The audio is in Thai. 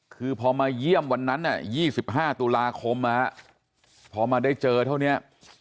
คือพอมาเยี่ยมวันนั้น๒๕ตุลาคมพอมาได้เจอเท่านี้